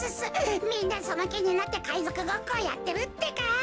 みんなそのきになってかいぞくごっこをやってるってか！